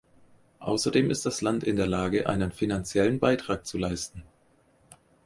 Außerdem ist das Land in der Lage, einen finanziellen Beitrag zu leisten.